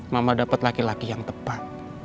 mama dapat laki laki yang tepat